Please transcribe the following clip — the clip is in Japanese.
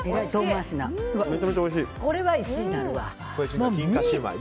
これは１位になるわ。